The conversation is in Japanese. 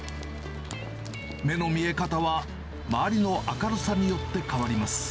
目の見え方は周りの明るさによって変わります。